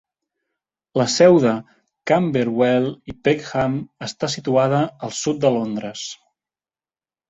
La seu de Camberwell i Peckham està situada al sud de Londres.